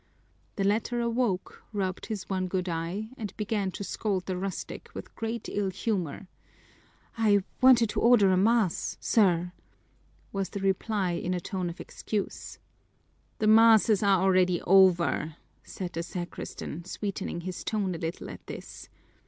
The latter awoke, rubbed his one good eye, and began to scold the rustic with great ill humor. "I wanted to order a mass, sir," was the reply in a tone of excuse. "The masses are already over," said the sacristan, sweetening his tone a little at this.